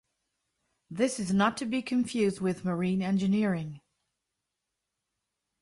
This is not to be confused with marine engineering.